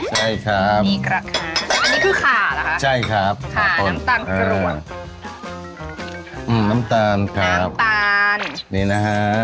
ใช่ครับมีกระขาอันนี้คือขาเหรอคะใช่ครับค่ะน้ำตาลกรวดอืมน้ำตาลครับน้ำตาลนี่นะฮะ